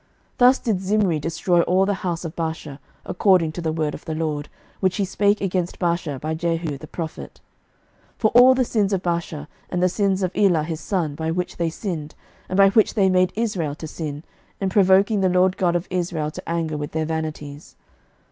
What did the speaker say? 11:016:012 Thus did Zimri destroy all the house of Baasha, according to the word of the LORD, which he spake against Baasha by Jehu the prophet. 11:016:013 For all the sins of Baasha, and the sins of Elah his son, by which they sinned, and by which they made Israel to sin, in provoking the LORD God of Israel to anger with their vanities.